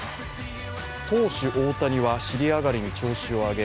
投手・大谷は尻上がりに調子を上げ